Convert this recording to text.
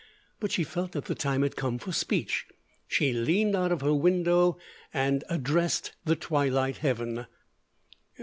But she felt that the time had come for speech. She leaned out of her window and addressed the twilight heaven.